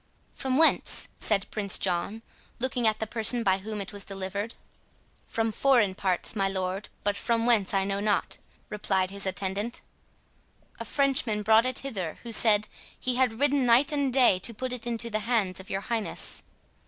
"From whence?" said Prince John, looking at the person by whom it was delivered. "From foreign parts, my lord, but from whence I know not" replied his attendant. "A Frenchman brought it hither, who said, he had ridden night and day to put it into the hands of your highness."